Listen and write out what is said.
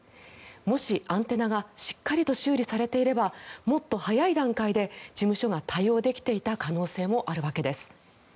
もしアンテナがしっかりと修理されていればもっと早い段階で事務所が対応できていた可能性もあるわけです。